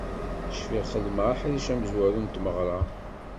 Cfiɣ xedmeɣ aḥric amezwaru n tmeɣra.